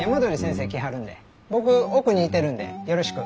僕奥にいてるんでよろしく。